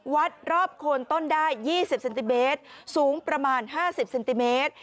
วัดรอบโคนต้นได้๒๐เซนติเมตรสูงประมาณ๕๐เซนติเมตร